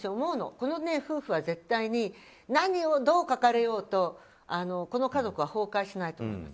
この夫婦は絶対に何をどう書かれようとこの家族は崩壊しないと思います。